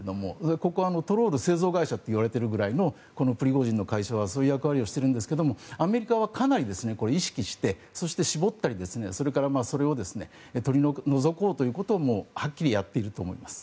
ここはトロール製造会社といわれるぐらいプリゴジン氏の会社はそういう役割をしているんですがアメリカはかなり意識してそして絞ったりそれを取り除こうということをはっきりやっていると思います。